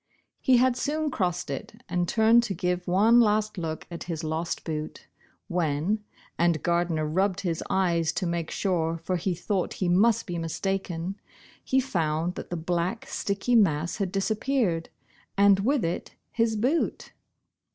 He had soon crossed it, and turned to give one last look at his lost boot, when — and Gardner rubbed his eyes to make sure, for he thought he must be mistaken — he found that the black, sticky mass had disappeared, and with it his boot